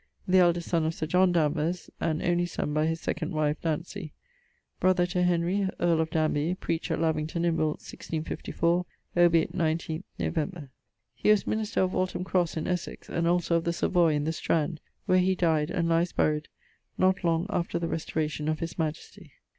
the eldest son of Sir John Danvers, (and only by his second wife Dantesey), brother to Henry earl of Danby, preached at Lavington in Wilts 1654: obiit 19º Novembr. He was minister of Waltham Crosse in Essex, and also of the Savoy in the Strand, where he dyed (and lies buryed) not long after the restauracion of his majestie.